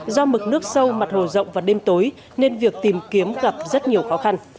do mực nước sâu mặt hồ rộng và đêm tối nên việc tìm kiếm gặp rất nhiều khó khăn